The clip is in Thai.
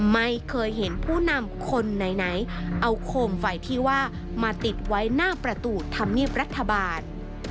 ไม่เคยเห็นผู้นำคนไหนเอาโคมไฟที่ว่ามาติดไว้หน้าประตูธรรมเนียบรัฐบาล